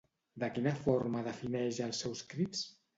De quina forma defineix els seus crits?